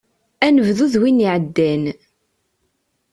Anebdu d win iɛeddan.